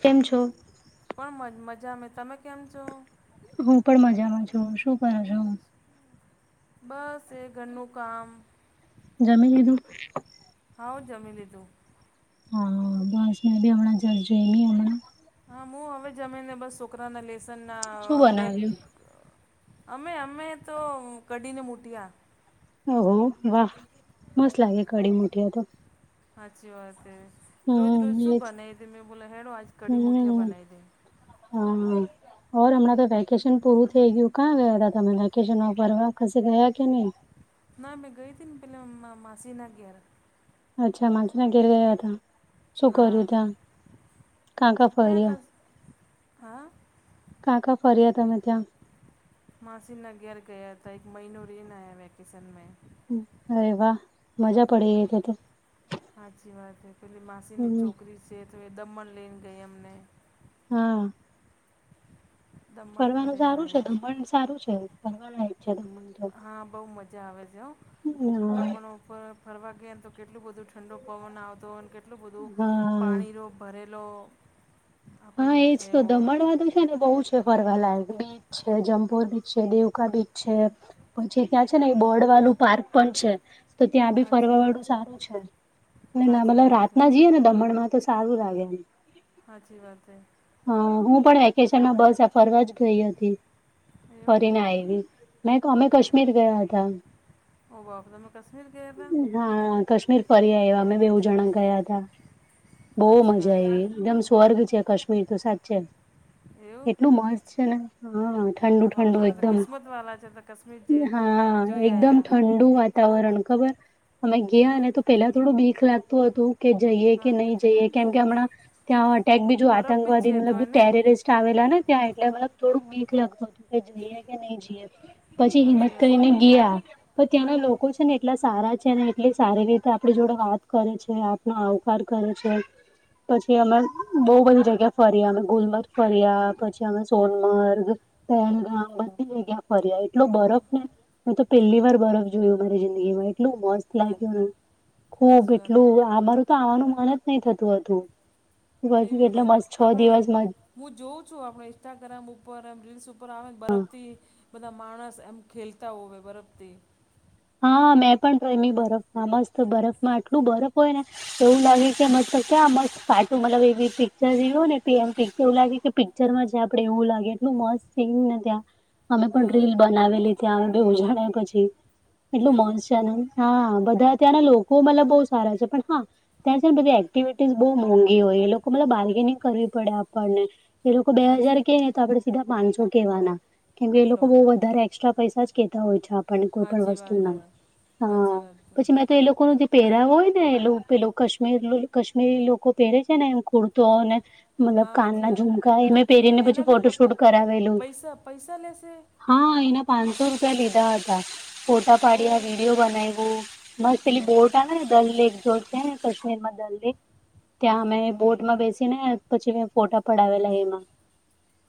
કેમ છો? કો મજામે તમે કેમ છો? હું પણ મજામાં છું શું કરો છું? બસ એ ઘરનું કામ. જામી લધું? હા જમી લીધું. હા બસ મે ભી હમણા જજઈમી હમણા હા હું હવે જમી ને બસ છોકરાના લેસન ના શું બેગ બનાવ્યું? અમે અમે તો કડીને મુટિયા. ઓહો વાહ મસ્ત લાગે કડી મુઠીયા તો. સાચી વાત હ રોજ હમ્મ રોજ શું એજ બનાવી દે મેં બોલો હેડો આજ કઢી મુઠિયા બનાવી હતીે. હમ ઓર હમણાં તો વેકેશન પૂરું થઈ ગયું ક્યાં ગયા ત તમે વેકેશન ફરવા ક ગયા કે નહી? ના મે ગઈ હતીને પેલા માસી ના ગેર. અચ્છા મા ના ગેર રહ્યા તા. શું કર્યું હા ત્યાં? કા કા અહીંયા ફર્યા? કસ હા કા કા ફરી્યા તમે ત્યા? માસીનાગર ગયા હતા એક મહનો રિનયા વેકેશન મે. અરે વા મજા. પડી હ ગઈ તો તો. સાચી વાત હ પેલી માસીની હમ્મ ચોકરી. સેતવે દમણ લેન ગઈ એમને. હા. દમણ ફરવાનું ફરીને સારું છે આવ્યા દમણ સારું છે ફરવા. હા બહુ મજા આવે છે દમણો હમ ફરવા ગઈએ ને તો કેટલું બધું ઠંડો પવન આવતો હોય અને કેટલું બધું હા પાણીનો કરરેલો હા એજ તો દમણ વાંધું છે ને બહુ જ ફવાલા બીચ છે જમપુર બીચ છે દેવકા બીચ છે. પછી ત્યાં છે ને એ બોર્ડ વાલું પાર્ક પણ છે. તો ત્યાં બી ફરવા સાચી વાળું સારું છે ના સાચી મતલ વાત છે રાતના જઈએે ને દમણમાં તો. સારું લાગે ને. હાચી વાતે. હ હું પણ વેકેશનમાં બસ ફરવા જ ગઈ હતી. એવું ફરીને આવી મે અમે કાશ્મીર ગયા હતા. ઓફ તો મે કશમીર ગે હતાા. હા કાશ્મીર ફરી આ એ અમે બેવુ જણા ગયા હતા. બહુ સાચી મજા વાત આવી એકદમ સ્વર્ગ છે કાશ્મીર તો સાચ છે છે એવું એટલું મસ્ત છે ને હા ઠંડુ હા બાપા ઠંડુ તમે તો એકદમ. કિસ્મતવાલા છે તો કાશ્મીર જે હા જોઈ એકદમ ઠ. આવ્યા ઠંડું વાતાવરણ ખબર અમે ગયા એવું ને તો પેલા થોડું બીક લાગતું હતું. કે જઈએ કે હા નહી જઈએ કેમ કે હમણાં ત્યાં અટેક બીજું બરફ બી આતંકવાદી છે તો મતલબ એ નહીં ટેરેરિસ્ટ. આવેલા ને ત્યાં એટલે મતલબ થોડું મીક લાગતું હતું કે જઈએ કે નહી જઈએ. પછી સાચી હિંમત વાત કરીને ગયા. પણ ત્યાંના લોકો છે ને એટલા સારા છે એટલી સારી રીતે આપણી જોડે વાત કરે છે. આવકાર કરે છે પછી અમે બહ બધી જગ્યા. ્યાં ફર્યા અમે ગુલમર્ગ ફર્યા પછી અમે સોનમર્ગ. પહેલગામ બધી જગ્યા ફર્યા એટલો બરફ ને. મે તો પહેલી વાર બરફ જોયું મારી જિંદગી માં એટલું મસ્ત. હા લાગ્યુંને ખુબ સાચી વાત એટલું અમારું તો આવાનું મન જ નહી થતું હતું. કેવી મ કેટલે મસ્. આપણે હું જોઉં છું આપણે ઇન્સ્ટાગ્રામ ઉપર એમ રીલ્સ ઉપર આવેને બરફથી. બધા માણસ એમ ખેલતા હોય બરફથી. હા મેં પણ તો એમની બરફમાં મસ્ત બરફમાં આટલું બરફ હોય ને. એવું લાગે કે મતલબ ક પાછું મતલબ એવી પિક્ચર ને પીમ પિક્ચર એવું લાગે કે. પિક્ર જ આપણે એવું લાગે એટલું મસ્ત સને ત્યાં. અમે પણ હા રીલ બનાવેલી ત્યાં અમે બુજાણાય પછી. એટલું એવું મસ્ છેને હા બધા ત્યાંના લોકો મતલબ બહ સારા છે પણ હા. ત્યાં છે ને બધી એક્ટિવિટીઝ બહુ મોંઘી હોય એ લોકો મતલબ બાર્ગેનિંગ કરવી પડે આપણને. એ લોકો બે હજાર હાચી કે ને તો આપડે સીધા પાંચસો કેવાના કેમ કે એ લોકો લો બહ વધારે. એ્રા પૈસાજ કેતા હોય છે આપને કોઈ પણ હાચી વાત હે વસ્તુના હાચી વાત હ હે પછી. અ તો એ લોકો ન પહેર્યા હોય ને એ પે કીર કાશ્મીરી લોકો પહેરે છે ને એમુર્. તોને. મતલબ હા હાચી કાનના વાત ઝુમકા એ મેં પહેરીને પછી એના બી પ ફોટો શૂટ કરાવેલું. પૈસા પૈસા લેશે હા એના પાંચસો રૂપિયા લીધા હતા ફોટા પાડ્યા ઓહ વિડીિયો બનાવું. મસ્ એલી લો બોટ હ ને દલ લેક જોડતી ને કશ્મીરમાં દલ લેક. ત્યાં હા અમે બોટમાં બેસી ને પછી મે ફોટા પડાવેલા એમાં.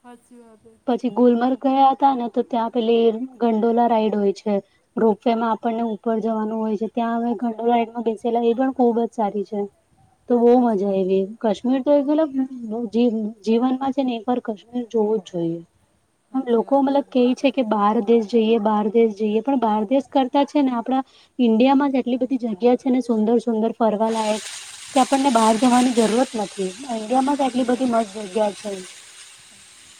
સાજી હ. પછી ગુલમર્ગ ગયા હતા ને તો ત્યાં પેલી ગંડોલા રાઈડ હોય છે. રોપવેે માં આપણને ઉપર જવાનું હોય છે ત્યાં હવે ઘંડો લાઈટમાં બેસેલા એ પણ ખુબજ સારી છે. તો બોહ હાચી મજા વાત આયવી. કાશ્મીર તો એક મલબ જી જીવનમાં છે ને એક વાર કાશ્મીર જોવુંજ જોઈએ. આ હાચી લોકો વાત હે મતલબ કે છે કે બહાર દેશ જઈએ બહાર દેશ જઈએ પણ બહાર દેશ કરતાં છે ને આપડા ઈન્ડિયામાં જ એટલી બધી જગ્યા છે ને સુંદર સુંદર ફરવાલાાયક. કે આપણને બહાર જવાની જરૂરત નથી ઇન્ડિયા માં તો હાચી આટલી બધી વાત મસ્ત જગ્યા છે.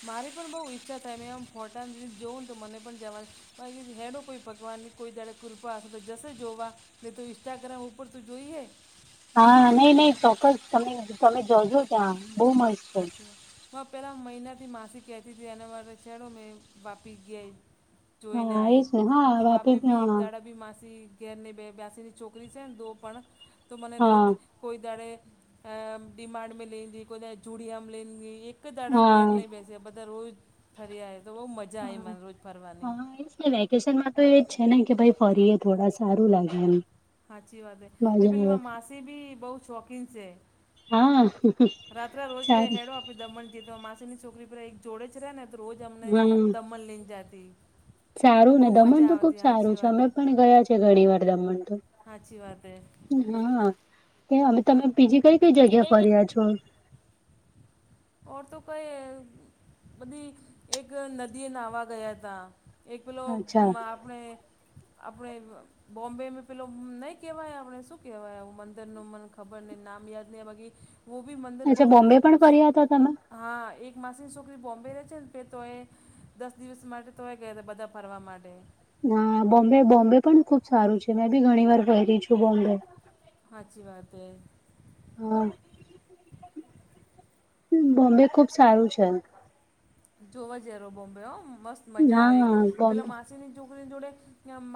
મારી પણ બહુ ઈચ્છા થાય મેમ ફોટા રીસ જોઉું ને તો મને પણ જવાની. ભકી હેડો કોઈ પકવાન ન કોઈ દડ કૃપા હશે તો જશે જોવા. તો ઇન્સ્ટાગ્રામ ઉપર તો જોઈએ. હા નહી નહી ચોક્કસ તમે તમે જોજો ત્યાં બહુ મ હાચી વાત પહેલાં મહિનાથી માસી કેતીતી અને મા છેડો મે વાપી ગઈ જોઈને હા એજ આવી ને તો હા વાપી બી એક હા દાડાબી માસી ઘેરની બે બે્યાસીની છોકરી છે ને દો પણ તો મને રોજ હા કોઈ દારે ડીમાડ મે લેગી કોઈ દ ચુડિયામાં લી એક એક દાડા હા ઘેર નહીં બેસે બધા રોજ ફર્યા તો બહુ મજા આવી હા મને રોજ ફરવાની. હા એજ વેકેશનમાં તો એ જ છે ને કે ભઈ ફરી એ થોડા સારું લાગે એમ. હાચી વાત મજા એ પેલી આવે મા માસીબી બો શોખીન છે. હા. રાત્ર રોજ કે સારું હેડો આપડે દમણતી જીતો માસીની છોકરી પર એક જોડે છે રેને તો રોજ અમને હા દમણ લઈ જાતી. તો સારું ને બહુ દમણ મજા તો ખુબ આવતી સારું સાચી છે વાત અમે પણ ગયા છેએ ઘણી વાર દમણતો હાચી વાત હૈ. હા કે અમે તમે બીજી કઈ કઈ બીજી જગ્યા કઈ ફર્યા છો? ઓર તો કઈ બધી એક નદી નાહવા ગયા તા. એક પેલો અચ્છા માં આપણે આપણે બોમ્બેં પેલો નહી કેવાય આપણે શું કેવાય મંદિર નું મને ખબર નય નામ યાદ નય બાકી હું ભી મંદર બહુ અચ્છા બોમ્બે જ પણ ફર્યા હતા તમે હા એક માસી ની છોકરી બોમ્બે રહે છે ને તો એ દસ દિવસ માટે તોય ગયા હતા બધા ફરવા માટે. હા બોમ્બે બોમ્બે પણ ખુબ સારું છે મેં બી ઘણી વાર ગયેલી છું બોમ્બે હાચી વાત હૈ. હા. બોમ્બે ખુબ સારું છે. જોવા જે રો બોમ્બે હો મસ્ત મજા આવે હા પેલા બોમ્બે મા સીની છોકરી જોડે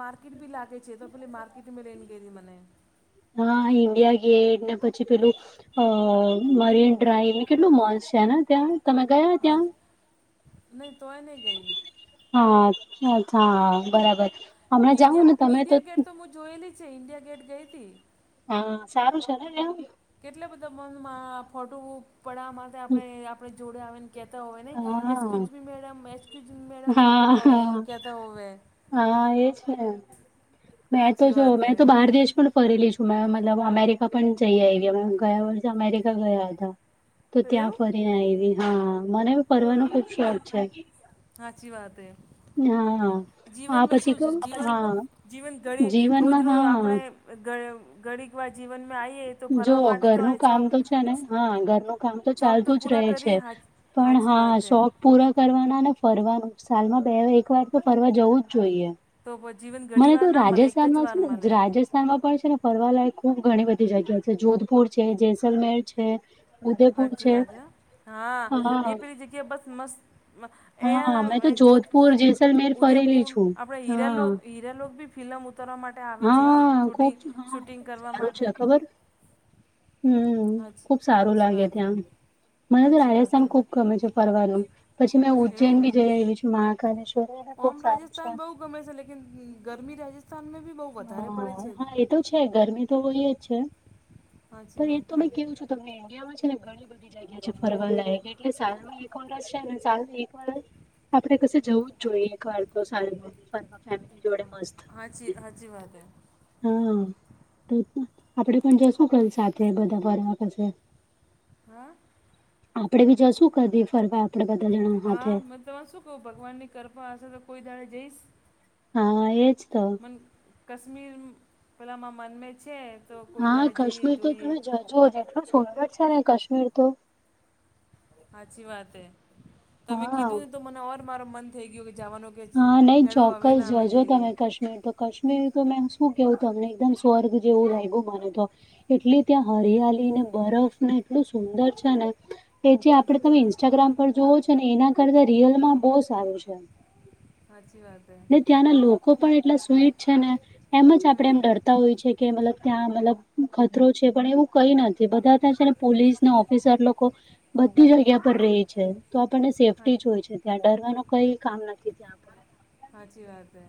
માર્કેટ ભી લાગે છે તો પહેલી માર્કેટમાં લેને ગયલી મને. હા ઇન્ડિયા ગેટ ને પછી પેલું અ મરીન ડ્રાઈવ કેટલું મસ્ત છે ને ત્યાં તમે ગયા ત્યાં? નહી તોય નહી ગઈ હા અચ્છા અચ્છા બરાબર. હમણાં જાઓ ઇન્ડિયા ને તમે ઈન્ડિયા ગેટ તો હું જોયેલી છે ઇન્ડિયા ગેટ ગઈતી હા સારું છે ને ત્યાં કેટલા બધા મનમાં ફોટો પડાવા માટે આપણે આપણે જોડે આવે કેતા હોય ને હા excuse me madam excuse me madam photo હા પાડે હા કેતા હોવે હા એજ ને મેં તો સાચી જો વાત મે હે તો બહાર દેશ પણ ફરીલી છું મે મતલબ અમેરિકા પણ જઈ આવી ગયા વર્ષે અમેરિકા ગયા હતા. તો ત્યાં ફરીને આવી હા મને બી ફરવાનો ખુબ શોખ છે. હાચી વાત હે હા હા જીવન [unintelligible] પછી શું કવ છે હા જીવન ઘડી રોજ જીવનમાં રોજ હા આપણે ધણીકવાર જીવનમાં આવીએ એ તો જો ફરવા માટે તો અ ઘરનું છો કામ તો ને હા ઘરનું કામ તો ચાલતું જ રહે પૂરા છે કરીએ પણ સાચી હા વાત હે શોખ પૂરા કરવાના અને ફરવાનું સાલમાં બે એક વાર તો ફરવા જવું જ જોઈએ. તો જીવન ઘડી મને વાર તો ના મળે એક જ રાજસ્થાનમાં વાર છે મળે ને રાજેશ રાજસ્થાનમાં પણ છે ને ફરવાલાયક ખુબ ઘણી બધી જગ્યા છે જોધપુર છે, જેૈસલમેર છે, ઉદયપુર હાચી છે વાત હા એ પલી જગ્યા બસ મસ્ત હા મેં તો [unintelligible] જોધપુર જેસલમેર ફરેલી ઉદયપુર છું આપણે હા હીરાલોક હીરાલોક બી ફિલ્મ ઉતરવા માટે આવે છે હા શૂટિ ખૂબ હા શૂટિંગ ખૂબ કરવા માટે. હમ્મ હાચ ખુબ સારું સાચી લાગે વાત ત્યાં મને તો સાચી વાત રાજસ્થાન છે ખુબ ગમે છે ફરવાનું પછી મેં ઉજ્જૈન એવું બી જઈ આયવી છું મહાકાલેશ્વર પણ ખુબ ઓમ સારું છે. રાજસ્થાન બહુ ગમે છે લેકીન ગરમી રાજસ્થાનમાં ભી બહું વધારે પડે હા છે. હા એ તો છે ગરમી તો હોય જ છે તો સાચી એ વાત તો છે મે કેવું છું તમને ઇન્ડિયામાં છે ને ઘણી બધી [inaudible] જગ્યા છે ફરવા લયક એટલે સાલમાં એક વરષ છે ને સા એક વરષ આપડે કશે જવું જ જોઈએ એક વાર તો સાલમાં ફેમિલી જોડે મસ્ત હાચી હાચી વાત હ હા તો આપડે પણ જશું ક આપણે સાથે બધા ફરવા પાછ હા? આપણે બી જશું કદી ફરવા આપણે બધા જણા હા હાથે મ તરે શું કહું ભગવાનની કૃપા હશે તો કોઈ દાડે જઈશ હા એજ તો કાશ્મીર પેલામાં મનમે છે તો કોઈ દાારે જઈએ જોઈએ જો જેટલું સુંદર છે ને કશ્મીર તો સાચી વાત હ તમે હા. કીધું ને તો મને ઓર મારો મન થઈ ગયો કે જવાનો હા નેય ચોક્કસ જજો તમે કશ તો કાશ્મીર તો મે શું કેવું તમને એકદમ સ્વર્ગ જેવું લાગ્યું મને તો એટલે ત્યાં હરિયાલી ને બરફ ને એટલું સુંદર છે ને કે જે આપડે સાચી તમે વાત ઇન્સ્ટાગ્રામ પર જોવો છો ને એના કરતા રિયલમાં બહુ સારું છે. સાચી વાત. હે ને ત્યાંના લોકો પણ એટલા સ્વીટ છે ને એમ જ આપડે હમ એમ ડરતા. હોય છે કે મતલબ ત્યાં મતલબ ખતરો છે પણ એવું કઈ નથી બધા ત્યાં છે ને પોલીસના ઓફિસર લોકો બધી જગ્યા પર રહી છે. તો આપણને હા સેફ્ટી જ હોય છે ત્યાં ડરવાનું કઈ કામ નથી ત્યાં આપ. સાચી વાત છે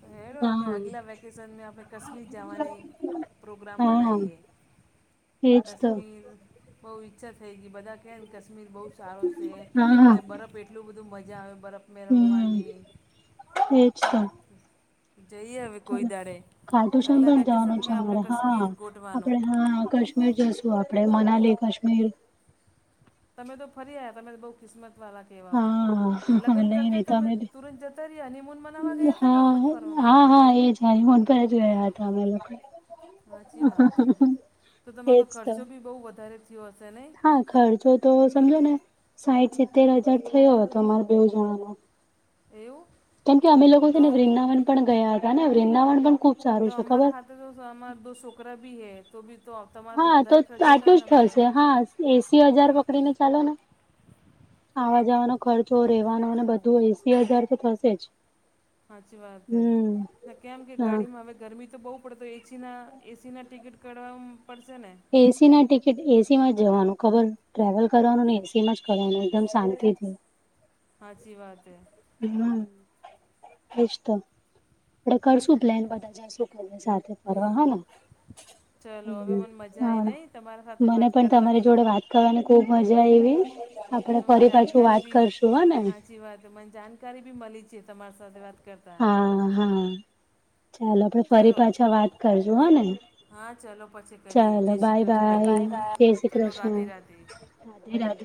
તો હેડો આપણે હા અગલા વેકેશન મે આપે કશ્મીર જવાની પ્રોગ્રામ હા બનાઈએ એજ તો કશ્મીર બહુ ઈચ્છા થઈ ગઈ બધા કે ને કાશ્મીર બહુ સારો હા હા છેને બરફે એટલો એટલું બધું મજા આવે બરફ હમ એજ છે. જઈએ હવે કોઈ દાડે ખાટું શ્યામ અગલા પણ જવાનું છે વેકેશનમાં આપણે અમારે કશ્મીર હા ગોઠવાનું આપડે હા કાશ્મીર જ તો આપણે મનાલી કાશ્મીર તમે તો ફરી આયા તમે બહુ કિસ્મત વાળા કેવા હા લગ્ન નહી કરતા નહી તમે તુરંત જતા રહ્યા હનીમૂન મનાવવા ગયા હતા કે હા એમ જ ફરવા? હા હા એ હનીમૂન પર જ રહ્યા હતા અમે લોકો સાચી વાત તો તમારો તો ખર્ચો બી બહુ વધારે થયો હશે નહી? હા ખર્ચો તો સમજો ને સાઈઠ સિત્તેર હજાર થયો હતો અમારે બેવ જણાનો એવું કેમ કે અમે લોકો છે તો ને વૃંદાવન પણ ગયા હતા ને વૃંદાવન પણ ખૂબ તો અમારાા હાથે તો છોકરા ભી હૈ તો ભી તો તમારાથી હા તો વધારે ખર્ચો થાય આટલું જ ને અમારે થશે હા એસી હજાર પકડી ને ચાલોને આવા જવાનો ખર્ચો રહેવાનો અને બધું એસી હજાર તો થશે જ સાચી વાત હમ છે કેમ કે હા ગાડીમાં હવે ગરમી તો બહુ પડે તો એસીના એસીના ટિકિટ કરાવું પડશે ને એસીના ટિકિટ એસીમાં જ જવાનું ખબર ટ્રાવેલ કરવાનુંને એસીમાં જ કરવાનું એકદમ શાંતિથી સાચી વાત છે. હમ એજ તો આપણે કરશું પ્લાનને બધા જાસુ ફરવા સા થે ફરવા હમ હને ચલો હવે મને મજા આવી હમ નહીં તમારા સાથે મને વાત પણ તમારી કરવાની જોડે વાત કરવાની ખુબ મજા આયવી આપડે અને મને ફરી પાછું જાણકારી વાત બી કરશું હને સાચી વાત મને જાણકારી બી મલી છે, તમારી સાથે વાત કરતા હા હા ચાલો આપડે ફરી ચલો પાછા વાત કરશું હને હા ચલો પછી કરીએ ચાલો જય શ્રી બાય કૃષ્ણ બાય જય શ્રી ચલો કૃષ્ણ રાધે રાધે રાધે રાધે